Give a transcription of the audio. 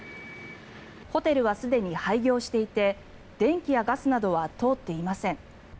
ホテルはすでに廃業していて電気やガスなどは通っていません。